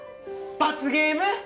罰ゲーム！